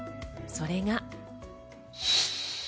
それが。